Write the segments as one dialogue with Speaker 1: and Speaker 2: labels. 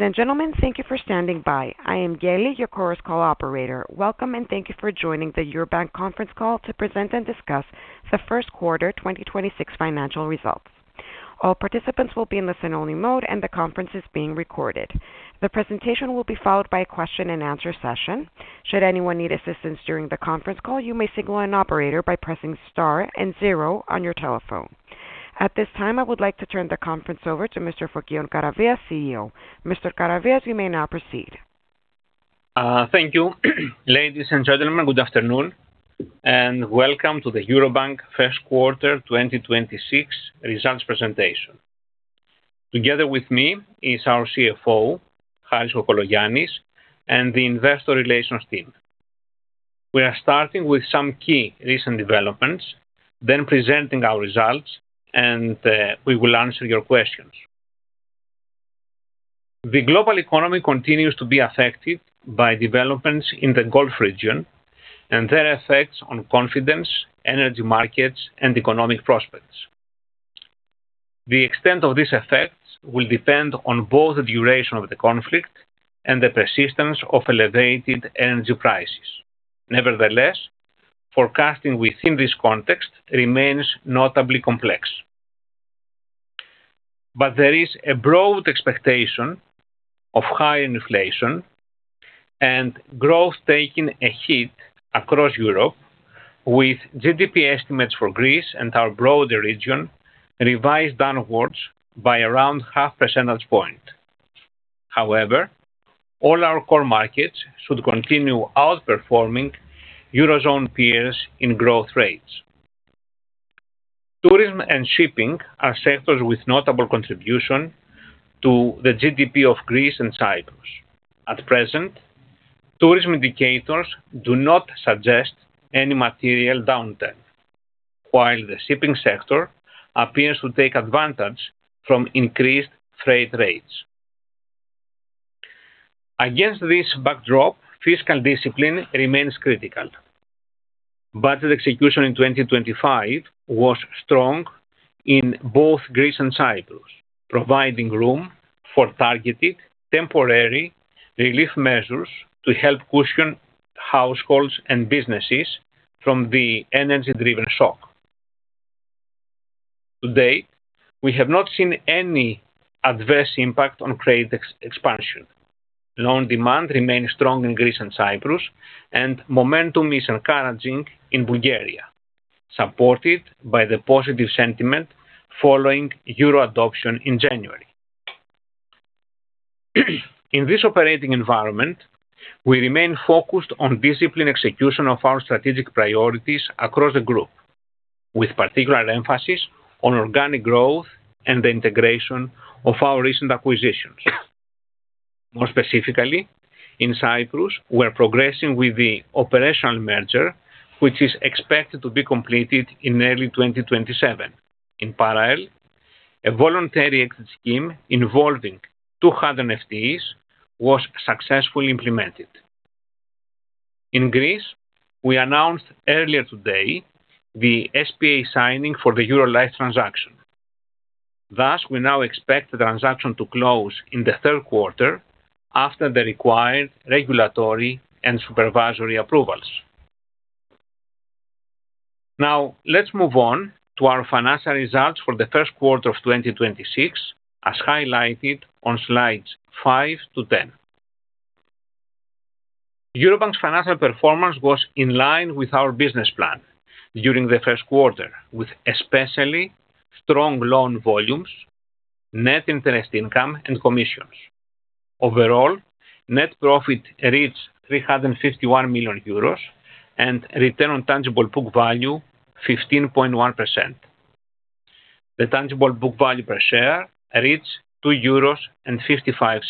Speaker 1: I am Yeli, your Chorus Call operator. Welcome, and thank you for joining the Eurobank conference call to present and discuss the first quarter 2026 financial results. All participants will be in listen only mode, and the conference is being recorded. The presentation will be followed by a question and answer session. Should anyone need assistance during the conference call, you may signal an operator by pressing star and 0 on your telephone. At this time, I would like to turn the conference over to Mr. Fokion Karavias, CEO. Mr. Karavias, you may now proceed.
Speaker 2: Thank you. Ladies and gentlemen, good afternoon, and welcome to the Eurobank first quarter 2026 results presentation. Together with me is our CFO, Harris Kokologiannis, and the investor relations team. We are starting with some key recent developments, then presenting our results, and we will answer your questions. The global economy continues to be affected by developments in the Gulf region and their effects on confidence, energy markets, and economic prospects. The extent of this effect will depend on both the duration of the conflict and the persistence of elevated energy prices. Nevertheless, forecasting within this context remains notably complex. There is a broad expectation of high inflation and growth taking a hit across Europe, with GDP estimates for Greece and our broader region revised downwards by around half percentage point. However, all our core markets should continue outperforming Eurozone peers in growth rates. Tourism and shipping are sectors with notable contribution to the GDP of Greece and Cyprus. At present, tourism indicators do not suggest any material downturn. While the shipping sector appears to take advantage from increased freight rates. Against this backdrop, fiscal discipline remains critical. Budget execution in 2025 was strong in both Greece and Cyprus, providing room for targeted temporary relief measures to help cushion households and businesses from the energy driven shock. Today, we have not seen any adverse impact on credit expansion. Loan demand remains strong in Greece and Cyprus, and momentum is encouraging in Bulgaria, supported by the positive sentiment following Euro adoption in January. In this operating environment, we remain focused on disciplined execution of our strategic priorities across the group, with particular emphasis on organic growth and the integration of our recent acquisitions. More specifically, in Cyprus, we're progressing with the operational merger, which is expected to be completed in early 2027. In parallel, a voluntary exit scheme involving 200 FTEs was successfully implemented. In Greece, we announced earlier today the SPA signing for the Eurolife transaction. We now expect the transaction to close in the third quarter after the required regulatory and supervisory approvals. Let's move on to our financial results for the first quarter of 2026, as highlighted on slides 5 to 10. Eurobank's financial performance was in line with our business plan during the first quarter, with especially strong loan volumes, net interest income, and commissions. Net profit reached 351 million euros and return on tangible book value 15.1%. The tangible book value per share reached 2.55.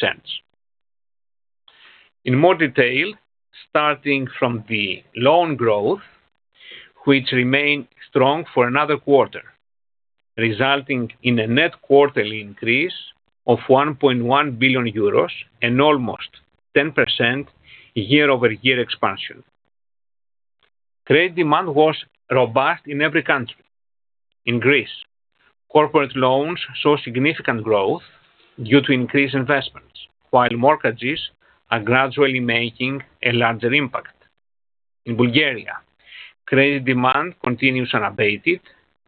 Speaker 2: In more detail, starting from the loan growth, which remained strong for another quarter, resulting in a net quarterly increase of 1.1 billion euros and almost 10% year-over-year expansion. Credit demand was robust in every country. In Greece, corporate loans saw significant growth due to increased investments, while mortgages are gradually making a larger impact. In Bulgaria, credit demand continues unabated,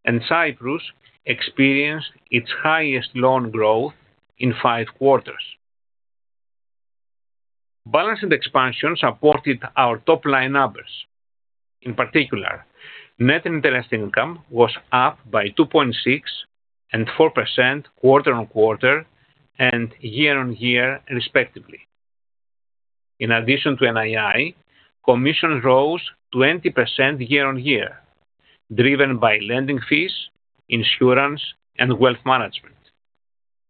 Speaker 2: and Cyprus experienced its highest loan growth in five quarters. Balanced expansion supported our top-line numbers. In particular, net interest income was up by 2.6% and 4% quarter-on-quarter and year-on-year, respectively. In addition to NII, commissions rose 20% year-on-year, driven by lending fees, insurance, and wealth management.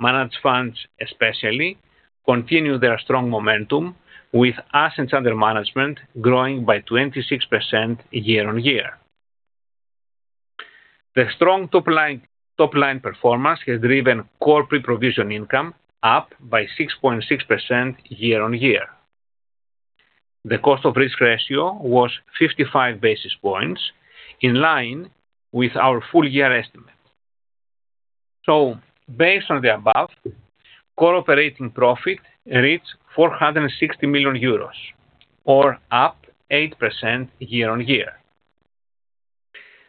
Speaker 2: Managed funds especially continue their strong momentum, with assets under management growing by 26% year-on-year. The strong top-line performance has driven core pre-provision income up by 6.6% year-on-year. The cost of risk ratio was 55 basis points, in line with our full-year estimate. Based on the above, core operating profit reached 460 million euros or up 8% year-on-year.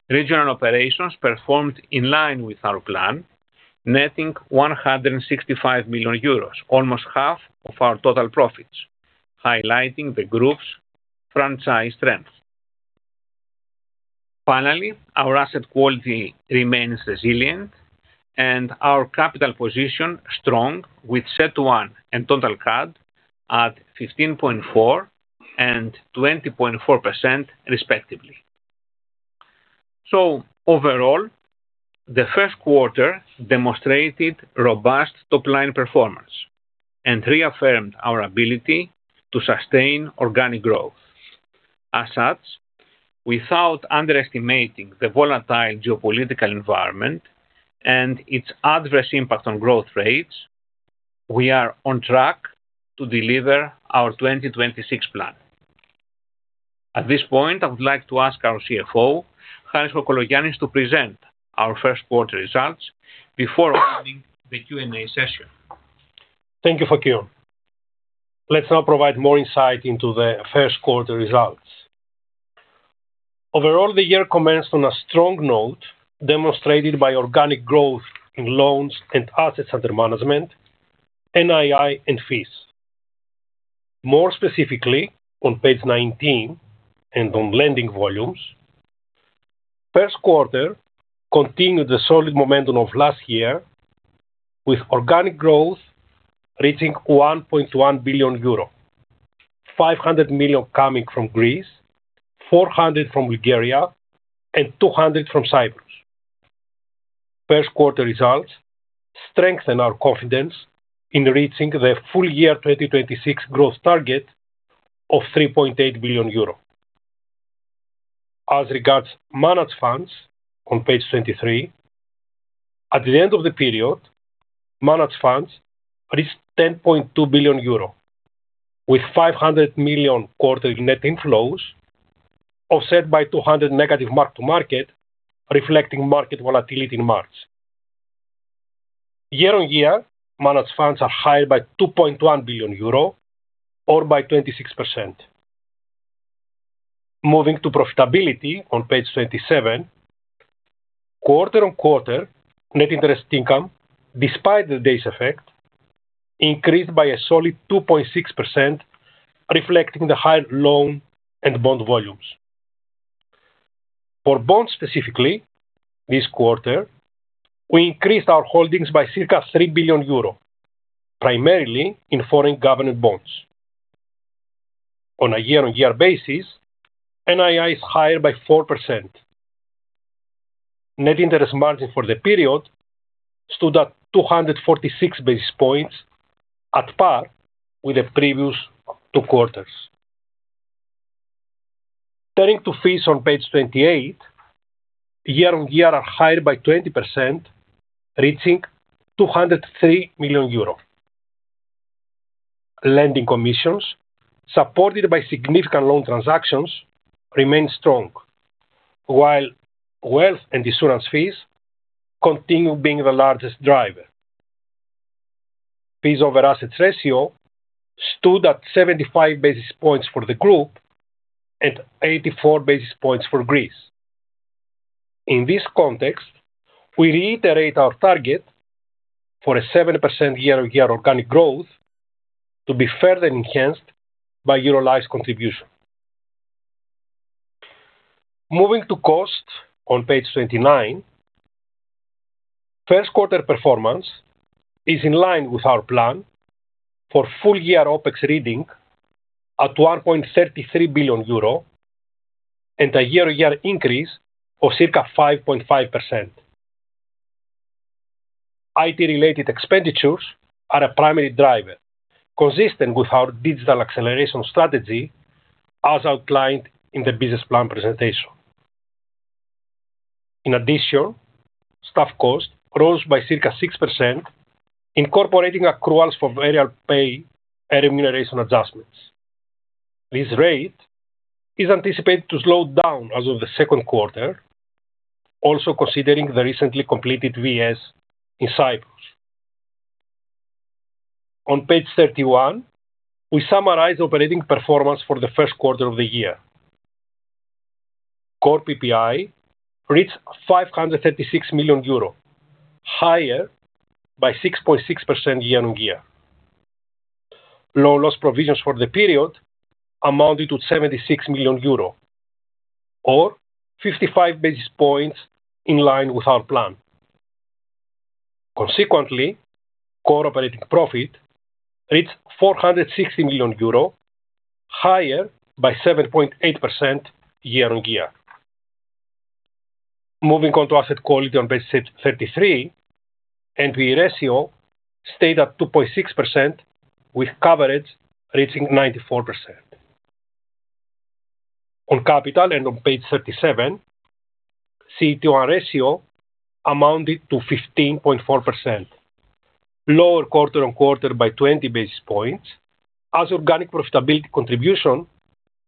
Speaker 2: Regional operations performed in line with our plan, netting 165 million euros, almost half of our total profits, highlighting the group's franchise strength. Finally, our asset quality remains resilient and our capital position strong, with CET1 and total CAD at 15.4% and 20.4% respectively. Overall, the first quarter demonstrated robust top-line performance and reaffirmed our ability to sustain organic growth. As such, without underestimating the volatile geopolitical environment and its adverse impact on growth rates, we are on track to deliver our 2026 plan. At this point, I would like to ask our CFO, Harris Kokologiannis, to present our first quarter results before starting the Q&A session.
Speaker 3: Thank you, Fokion. Let's now provide more insight into the first quarter results. Overall, the year commenced on a strong note, demonstrated by organic growth in loans and assets under management, NII, and fees. More specifically, on page 19 and on lending volumes, first quarter continued the solid momentum of last year, with organic growth reaching 1.1 billion euro, 500 million coming from Greece, 400 million from Bulgaria, and 200 million from Cyprus. First quarter results strengthen our confidence in reaching the full year 2026 growth target of 3.8 billion euro. As regards managed funds, on page 23, at the end of the period, managed funds reached 10.2 billion euro, with 500 million quarterly net inflows offset by 200 million negative mark-to-market, reflecting market volatility in March. Year-over-year, managed funds are higher by 2.1 billion euro or by 26%. Moving to profitability on page 27, quarter-over-quarter net interest income, despite the days effect, increased by a solid 2.6%, reflecting the higher loan and bond volumes. For bonds specifically, this quarter, we increased our holdings by circa 3 billion euro, primarily in foreign government bonds. On a year-over-year basis, NII is higher by 4%. Net interest margin for the period stood at 246 basis points, at par with the previous two quarters. Turning to fees on page 28, year-over-year are higher by 20, reaching 203 million euro. Lending commissions supported by significant loan transactions remain strong, while wealth and insurance fees continue being the largest driver. Fees over assets ratio stood at 75 basis points for the group and 84 basis points for Greece. In this context, we reiterate our target for a 7% year-on-year organic growth to be further enhanced by Eurolife's contribution. Moving to cost on page 29, first quarter performance is in line with our plan for full year OpEx reading at 1.33 billion euro and a year-on-year increase of circa 5.5%. IT related expenditures are a primary driver, consistent with our digital acceleration strategy as outlined in the business plan presentation. In addition, staff cost rose by circa 6%, incorporating accruals for variable pay and remuneration adjustments. This rate is anticipated to slow down as of the second quarter, also considering the recently completed VS in Cyprus. On page 31, we summarize operating performance for the first quarter of the year. Core PPI reached 536 million euro, higher by 6.6% year-on-year. Loan loss provisions for the period amounted to 76 million euros or 55 basis points in line with our plan. Core operating profit reached 460 million euro, higher by 7.8% year-on-year. Moving on to asset quality on page 33, NPE ratio stayed at 2.6%, with coverage reaching 94%. On capital on page 37, CET1 ratio amounted to 15.4%, lower quarter-on-quarter by 20 basis points as organic profitability contribution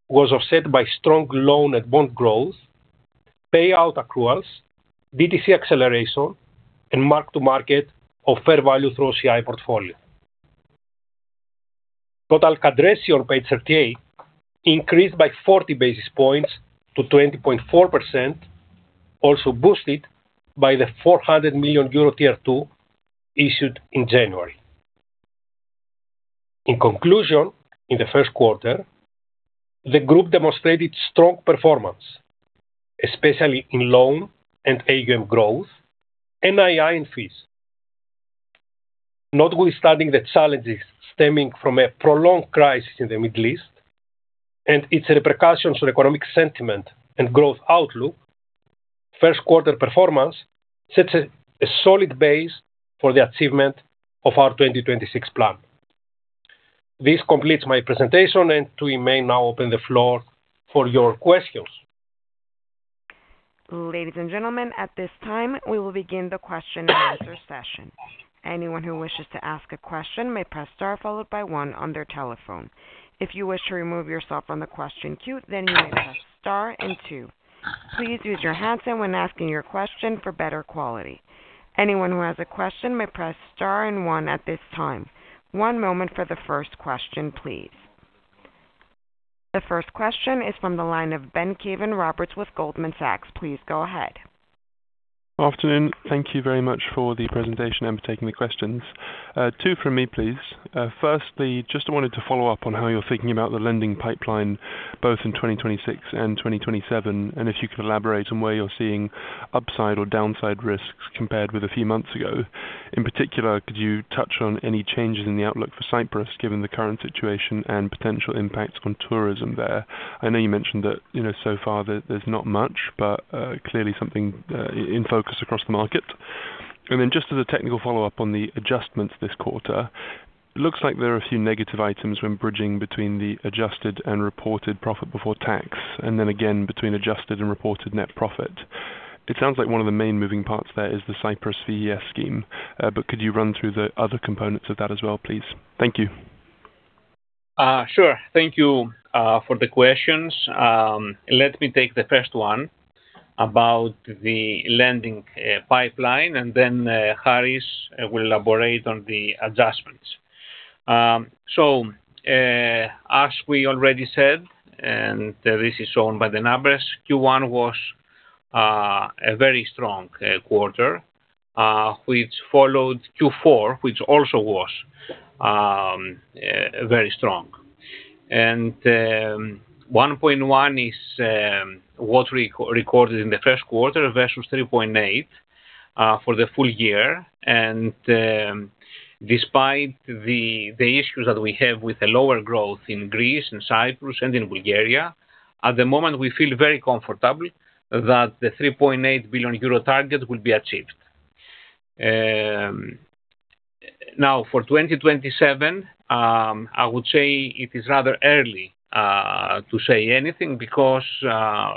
Speaker 3: was offset by strong loan and bond growth, payout accruals, DTC acceleration, and mark to market of fair value through OCI portfolio. Total CAD ratio on page 38 increased by 40 basis points to 20.4%, also boosted by the 400 million euro Tier 2 issued in January. In conclusion, in the first quarter, the group demonstrated strong performance, especially in loan and AUM growth, NII, and fees. Notwithstanding the challenges stemming from a prolonged crisis in the Middle East and its repercussions on economic sentiment and growth outlook, first quarter performance sets a solid base for the achievement of our 2026 plan. This completes my presentation. We may now open the floor for your questions.
Speaker 1: Ladies and gentlemen, at this time, we will begin the question and answer session. Anyone who wishes to ask a question may press star followed by 1 on their telephone. If you wish to remove yourself from the question queue, then you may press star and 2. Please use your handset when asking your question for better quality. Anyone who has a question may press star and 1 at this time. One moment for the first question, please. The first question is from the line of Benjamin Caven-Roberts with Goldman Sachs. Please go ahead.
Speaker 4: Afternoon. Thank you very much for the presentation and for taking the questions. Two from me, please. Firstly, just wanted to follow up on how you're thinking about the lending pipeline, both in 2026 and 2027, and if you could elaborate on where you're seeing upside or downside risks compared with a few months ago. In particular, could you touch on any changes in the outlook for Cyprus, given the current situation and potential impacts on tourism there? I know you mentioned that, you know, so far there's not much, but clearly something in focus across the market. Just as a technical follow-up on the adjustments this quarter, it looks like there are a few negative items when bridging between the adjusted and reported profit before tax, and again, between adjusted and reported net profit. It sounds like one of the main moving parts there is the Cyprus VES scheme. Could you run through the other components of that as well, please? Thank you.
Speaker 2: Sure. Thank you for the questions. Let me take the first one about the lending pipeline, and then Harris will elaborate on the adjustments. As we already said, and this is shown by the numbers, Q1 was a very strong quarter, which followed Q4, which also was very strong. 1.1 is what recorded in the first quarter versus 3.8 for the full year. Despite the issues that we have with the lower growth in Greece and Cyprus and in Bulgaria, at the moment, we feel very comfortable that the 3.8 billion euro target will be achieved. Now for 2027, I would say it is rather early to say anything because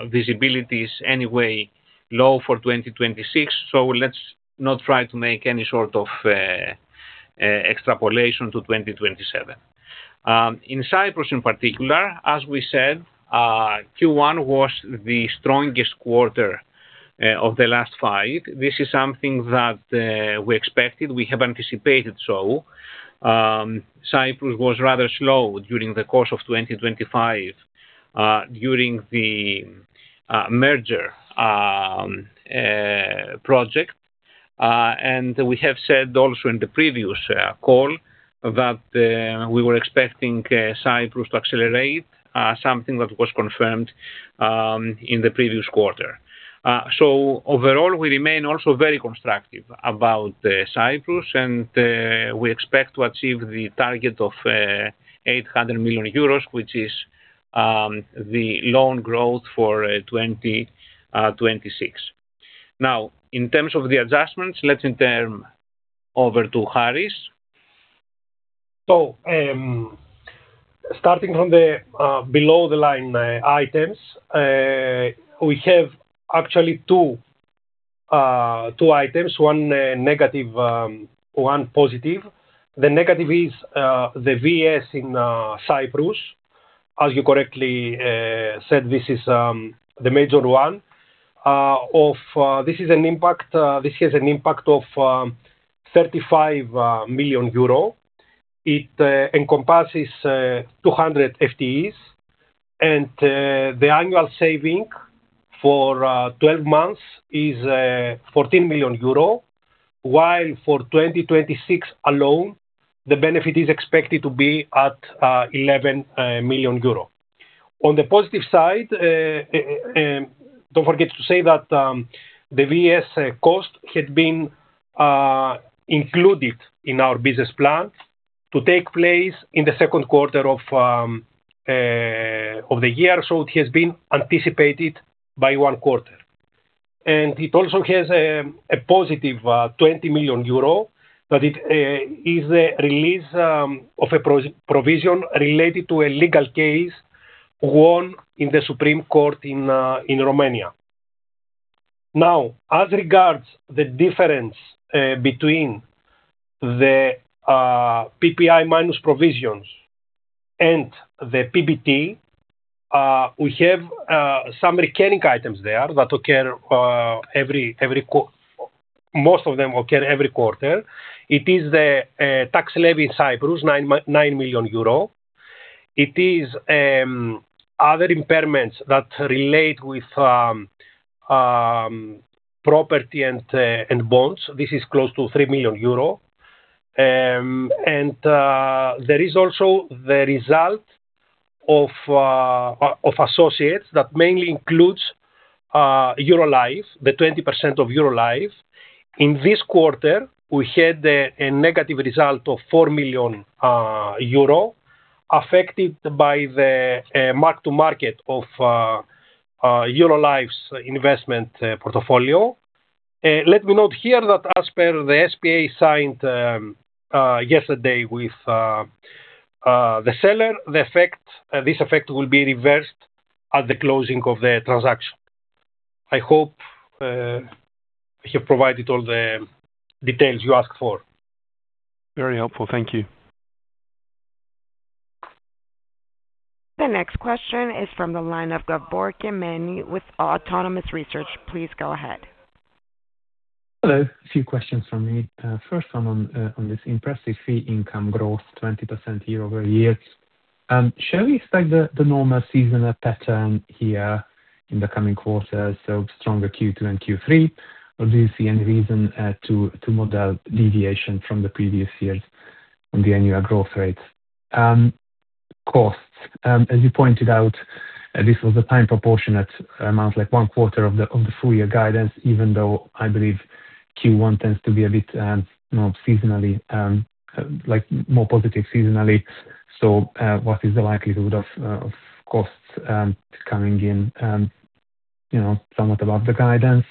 Speaker 2: visibility is anyway low for 2026, so let's not try to make any sort of extrapolation to 2027. In Cyprus in particular, as we said, Q1 was the strongest quarter of the last five. This is something that we expected, we have anticipated so. Cyprus was rather slow during the course of 2025, during the merger project. We have said also in the previous call that we were expecting Cyprus to accelerate, something that was confirmed in the previous quarter. Overall, we remain also very constructive about Cyprus and we expect to achieve the target of 800 million euros, which is the loan growth for 2026. Now, in terms of the adjustments, let's turn over to Harris.
Speaker 3: Starting from the below the line items, we have actually two items, one negative, one positive. The negative is the VS in Cyprus. As you correctly said, this has an impact of EUR 35 million. It encompasses 200 FTEs, and the annual saving for 12 months is 14 million euro, while for 2026 alone, the benefit is expected to be at 11 million euro. On the positive side, don't forget to say that the VS cost had been included in our business plan to take place in the second quarter of the year. It has been anticipated by one quarter. It also has a positive 20 million euro, but it is a release of a provision related to a legal case won in the Supreme Court in Romania. As regards the difference between the PPI minus provisions and the PBT, we have some recurring items there that occur every quarter. Most of them occur every quarter. It is the tax levy in Cyprus, 9 million euro. It is other impairments that relate with property and bonds. This is close to 3 million euro. There is also the result of associates that mainly includes Eurolife, the 20% of Eurolife. In this quarter, we had a negative result of 4 million euro affected by the mark to market of Eurolife's investment portfolio. Let me note here that as per the SPA signed yesterday with the seller, this effect will be reversed at the closing of the transaction. I hope I have provided all the details you asked for.
Speaker 4: Very helpful. Thank you.
Speaker 1: The next question is from the line of Gabor Kemeny with Autonomous Research. Please go ahead.
Speaker 5: Hello. A few questions from me. First one on this impressive fee income growth, 20% year-over-year. Shall we expect the normal seasonal pattern here in the coming quarters, so stronger Q2 and Q3? Do you see any reason to model deviation from the previous years on the annual growth rates? Costs, as you pointed out, this was a time proportionate amount, like one quarter of the full year guidance, even though I believe Q1 tends to be a bit, you know, seasonally, like more positive seasonally. What is the likelihood of costs coming in, you know, somewhat above the guidance?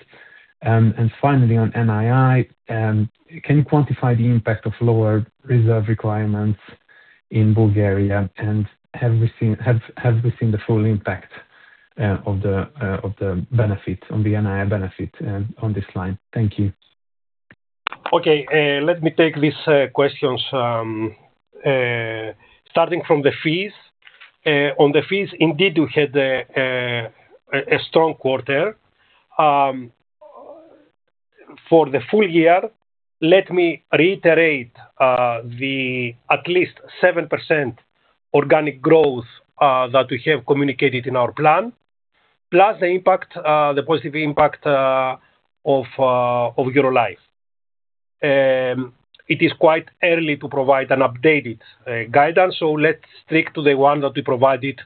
Speaker 5: Finally, on NII, can you quantify the impact of lower reserve requirements in Bulgaria? Have we seen the full impact of the benefit, on the NII benefit, on this line? Thank you.
Speaker 3: Let me take these questions, starting from the fees. On the fees, indeed, we had a strong quarter. For the full year, let me reiterate the at least 7% organic growth that we have communicated in our plan, plus the impact, the positive impact of Eurolife. It is quite early to provide an updated guidance, let's stick to the one that we provided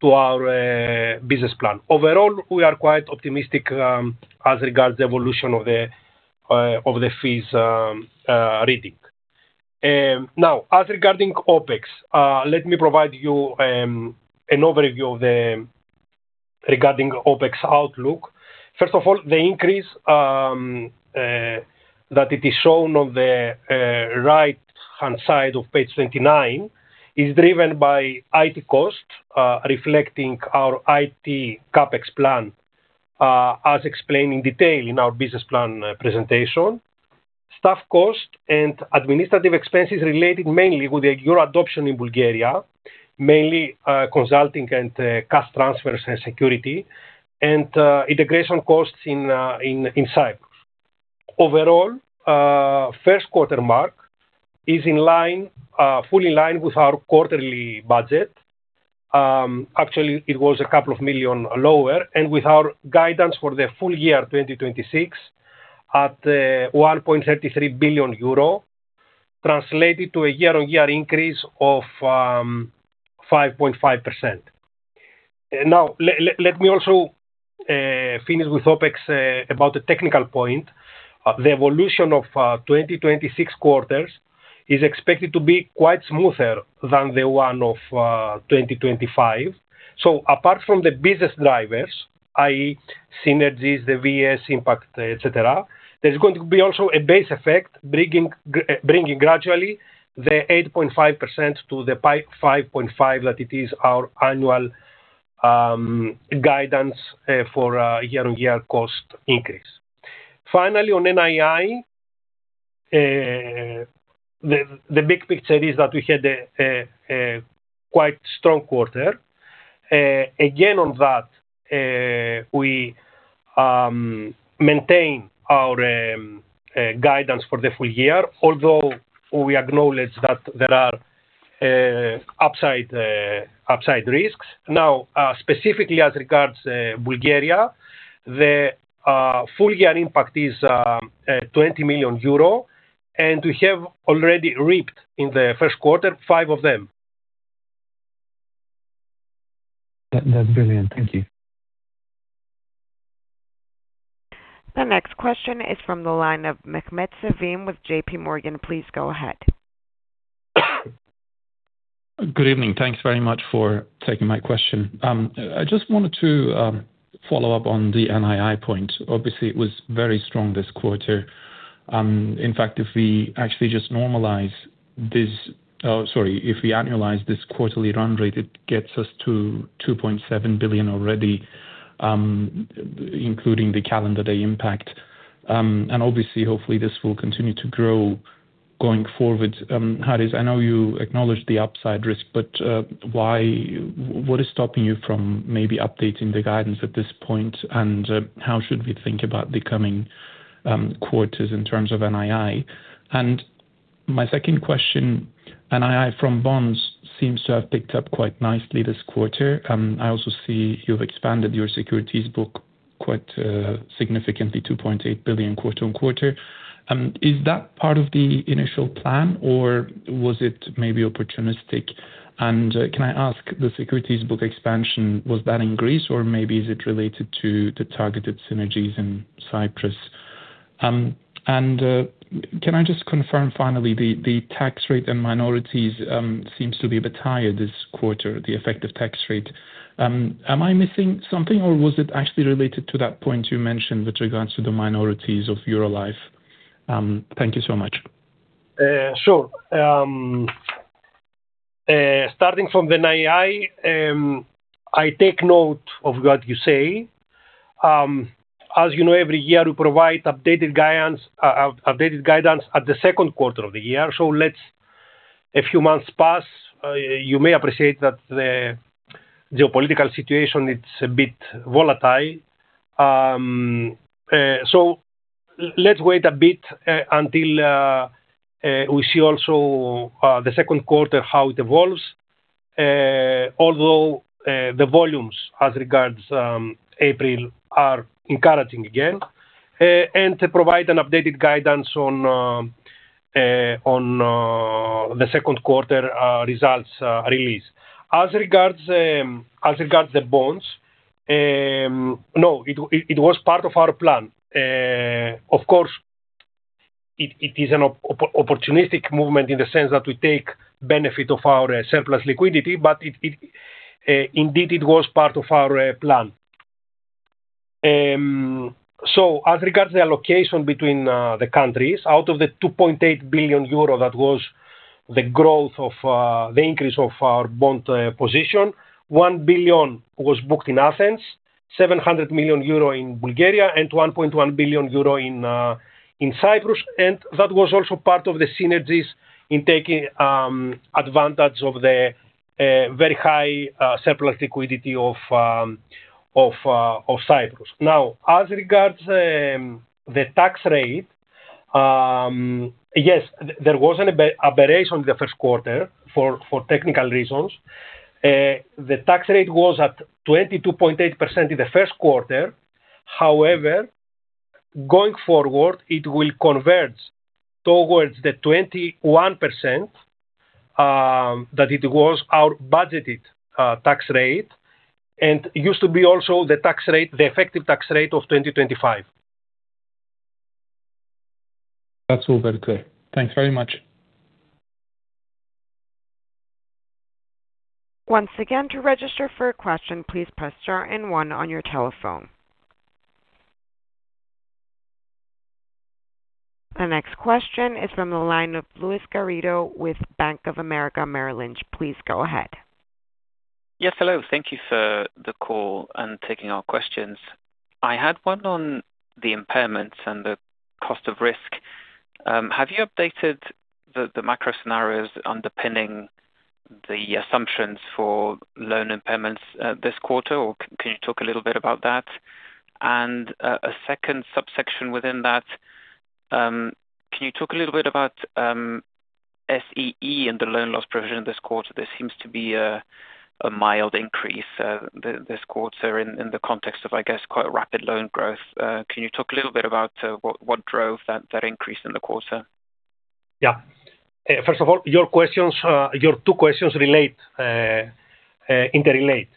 Speaker 3: to our business plan. Overall, we are quite optimistic as regards the evolution of the fees. Now as regarding OpEx, let me provide you an overview of the OpEx outlook, first of all, the increase that it is shown on the right-hand side of page 29 is driven by IT cost, reflecting our IT CapEx plan, as explained in detail in our business plan presentation. Staff cost and administrative expenses related mainly with the Euro adoption in Bulgaria, mainly, consulting and cash transfers and security and integration costs in Cyprus. Overall, first quarter mark is in line, fully in line with our quarterly budget. Actually, it was a couple of million lower and with our guidance for the full year 2026 at 1.33 billion euro, translated to a year-on-year increase of 5.5%. Now, let me also finish with OpEx about the technical point. The evolution of 2026 quarters is expected to be quite smoother than the one of 2025. Apart from the business drivers, i.e., synergies, the VS impact, et cetera, there's going to be also a base effect bringing gradually the 8.5% to the 5.5% that it is our annual guidance for year-on-year cost increase. Finally, on NII, the big picture is that we had a quite strong quarter. Again, on that, we maintain our guidance for the full year, although we acknowledge that there are upside risks. Specifically as regards Bulgaria, the full year impact is 20 million euro, and we have already reaped in the first quarter 5 of them.
Speaker 5: That's brilliant. Thank you.
Speaker 1: The next question is from the line of Mehmet Sevim with JPMorgan. Please go ahead.
Speaker 6: Good evening. Thanks very much for taking my question. I just wanted to follow up on the NII point. Obviously, it was very strong this quarter. In fact, if we actually just normalize this, if we annualize this quarterly run rate, it gets us to 2.7 billion already, including the calendar day impact. Obviously, hopefully, this will continue to grow going forward. Harris, I know you acknowledged the upside risk, but what is stopping you from maybe updating the guidance at this point, and how should we think about the coming quarters in terms of NII? My second question, NII from bonds seems to have picked up quite nicely this quarter. I also see you've expanded your securities book quite significantly, 2.8 billion quarter-on-quarter. Is that part of the initial plan, or was it maybe opportunistic? Can I ask, the securities book expansion, was that in Greece or maybe is it related to the targeted synergies in Cyprus? Can I just confirm finally, the tax rate and minorities seems to be a bit higher this quarter, the effective tax rate. Am I missing something, or was it actually related to that point you mentioned with regards to the minorities of Eurolife? Thank you so much.
Speaker 3: Sure. Starting from the NII, I take note of what you say. As you know, every year we provide updated guidance at the second quarter of the year. Let's a few months pass. You may appreciate that the geopolitical situation, it's a bit volatile. Let's wait a bit until we see also the second quarter, how it evolves. Although the volumes as regards April are encouraging again. To provide an updated guidance on the second quarter results release. As regards as regards the bonds, no, it was part of our plan. Of course, it is an opportunistic movement in the sense that we take benefit of our surplus liquidity, but indeed, it was part of our plan. As regards the allocation between the countries, out of the 2.8 billion euro that was the growth of the increase of our bond position. 1 billion was booked in Athens, 700 million euro in Bulgaria, and 1.1 billion euro in Cyprus. That was also part of the synergies in taking advantage of the very high surplus liquidity of Cyprus. As regards the tax rate, yes, there was an aberration in the first quarter for technical reasons. The tax rate was at 22.8% in the first quarter. However, going forward, it will converge towards the 21%, that it was our budgeted, tax rate, and used to be also the tax rate, the effective tax rate of 2025.
Speaker 6: That's all very clear. Thanks very much.
Speaker 1: The next question is from the line of Luis Garrido with Bank of America Merrill Lynch. Please go ahead.
Speaker 7: Yes, hello. Thank you for the call and taking our questions. I had one on the impairments and the cost of risk. Have you updated the macro scenarios underpinning the assumptions for loan impairments this quarter? Can you talk a little bit about that? A second subsection within that, can you talk a little bit about SEE and the loan loss provision this quarter? There seems to be a mild increase this quarter in the context of, I guess, quite rapid loan growth. Can you talk a little bit about what drove that increase in the quarter?
Speaker 3: Yeah. First of all, your questions, your two questions relate, interrelate,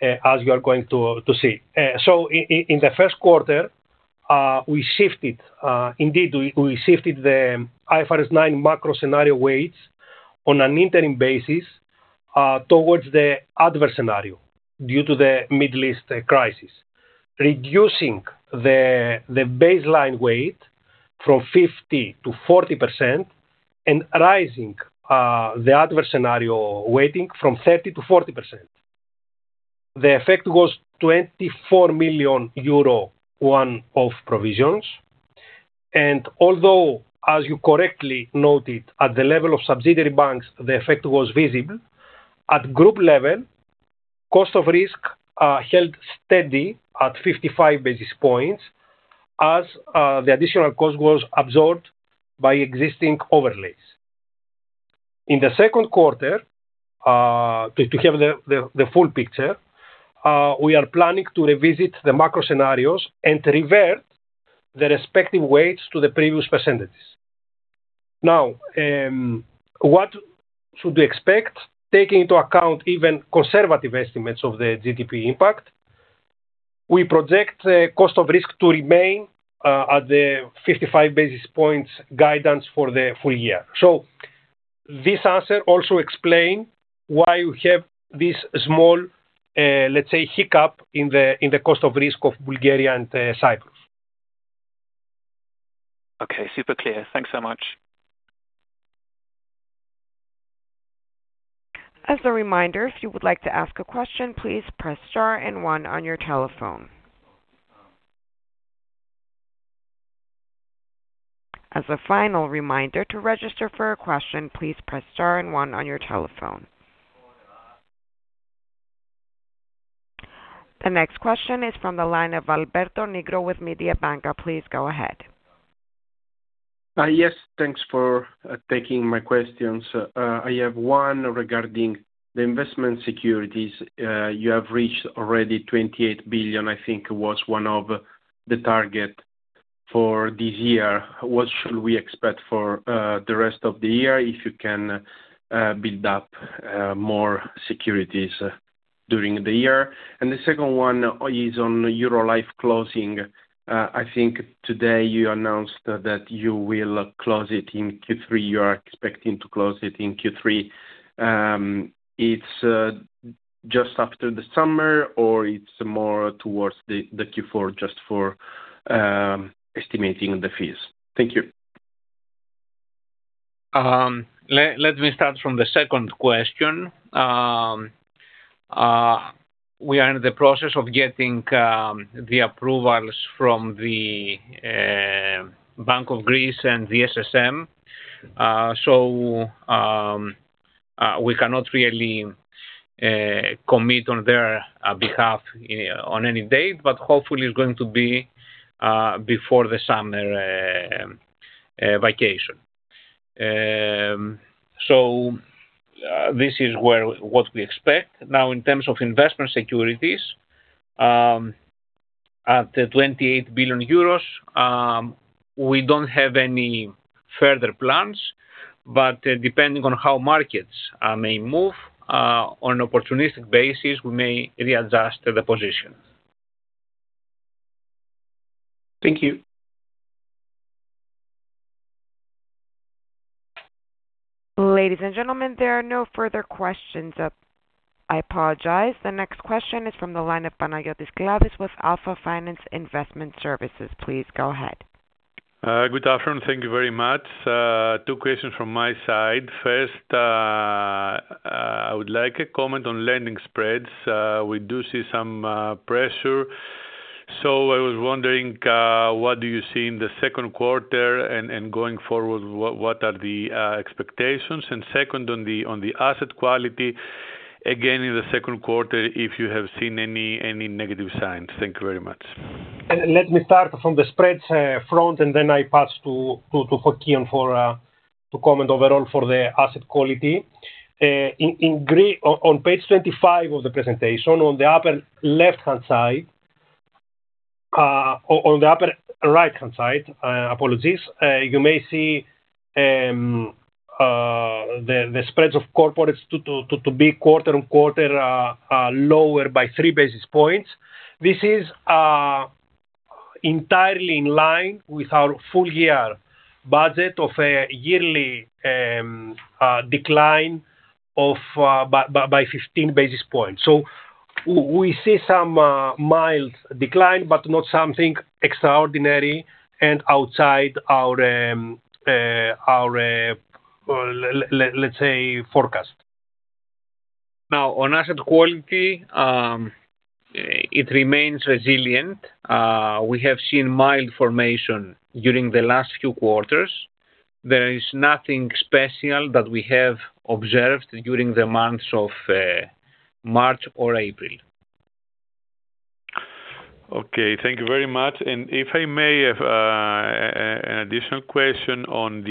Speaker 3: as you are going to see. In the first quarter, we shifted, indeed, we shifted the IFRS 9 macro scenario weights on an interim basis towards the adverse scenario due to the Middle East crisis, reducing the baseline weight from 50%- 40% and rising the adverse scenario weighting from 30%-40%. The effect was 24 million euro one off provisions. Although, as you correctly noted, at the level of subsidiary banks the effect was visible, at group level, cost of risk held steady at 55 basis points as the additional cost was absorbed by existing overlays. In the second quarter, to have the full picture, we are planning to revisit the macro scenarios and revert the respective weights to the previous percentages. Now, what should we expect taking into account even conservative estimates of the GDP impact? We project the cost of risk to remain at the 55 basis points guidance for the full year. This answer also explain why you have this small, let's say, hiccup in the cost of risk of Bulgaria and Cyprus.
Speaker 7: Okay, super clear. Thanks so much.
Speaker 1: As a reminder, if you would like to ask a question, please press star and 1 on your telephone. As a final reminder, to register for a question, please press star and 1 on your telephone. The next question is from the line of Alberto Nigro with Mediobanca. Please go ahead.
Speaker 8: Yes. Thanks for taking my questions. I have one regarding the investment securities. You have reached already 28 billion, I think was one of the target for this year. What should we expect for the rest of the year, if you can build up more securities during the year? The second one is on Eurolife closing. I think today you announced that you will close it in Q3. You are expecting to close it in Q3. It's just after the summer, or it's more towards the Q4, just for estimating the fees. Thank you.
Speaker 3: Let me start from the second question. We are in the process of getting the approvals from the Bank of Greece and the SSM. We cannot really commit on their behalf in on any date, but hopefully it's going to be before the summer vacation. This is what we expect. In terms of investment securities, at the 28 billion euros, we don't have any further plans, but depending on how markets may move on an opportunistic basis, we may readjust the position.
Speaker 8: Thank you.
Speaker 1: Ladies and gentlemen, there are no further questions up I apologize. The next question is from the line of Panagiotis Kladis with Alpha Finance Investment Services. Please go ahead.
Speaker 9: Good afternoon. Thank you very much. Two questions from my side. First, I would like a comment on lending spreads. We do see some pressure. I was wondering what do you see in the second quarter and going forward, what are the expectations? Second, on the asset quality, again, in the second quarter, if you have seen any negative signs. Thank you very much.
Speaker 3: Let me start from the spreads front, and then I pass to Fokion to comment overall for the asset quality. In Greek, on page 25 of the presentation on the upper left-hand side, on the upper right-hand side, apologies, you may see. The spreads of corporates to be quarter-on-quarter lower by 3 basis points. This is entirely in line with our full-year budget of a yearly decline of by 15 basis points. We see some mild decline, but not something extraordinary and outside our let's say, forecast. On asset quality, it remains resilient. We have seen mild formation during the last few quarters. There is nothing special that we have observed during the months of March or April.
Speaker 9: Okay. Thank you very much. If I may have an additional question on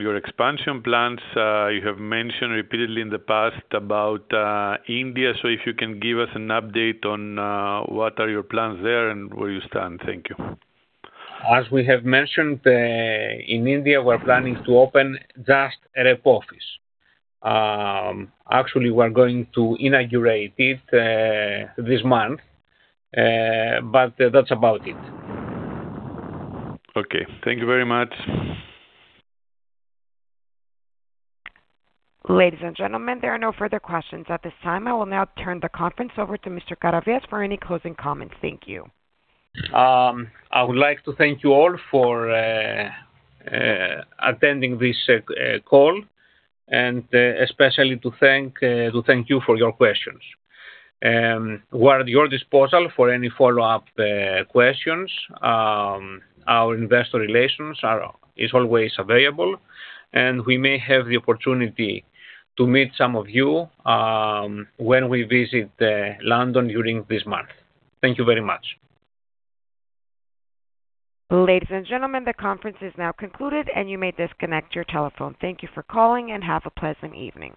Speaker 9: your expansion plans. You have mentioned repeatedly in the past about India. If you can give us an update on what are your plans there and where you stand. Thank you.
Speaker 2: As we have mentioned, in India, we're planning to open just a rep office. Actually, we're going to inaugurate it this month. That's about it.
Speaker 9: Okay. Thank you very much.
Speaker 1: Ladies and gentlemen, there are no further questions at this time. I will now turn the conference over to Mr. Karavias for any closing comments. Thank you.
Speaker 2: I would like to thank you all for attending this call, and especially to thank you for your questions. We're at your disposal for any follow-up questions. Our investor relations is always available, and we may have the opportunity to meet some of you when we visit London during this month. Thank you very much.
Speaker 1: Ladies and gentlemen, the conference is now concluded, and you may disconnect your telephone. Thank you for calling, and have a pleasant evening.